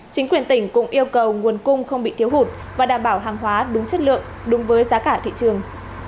chính quyền tỉnh cũng yêu cầu nguồn cung không bị thiếu hụt và đảm bảo hàng hóa đúng chất lượng đúng với giá cả thị trường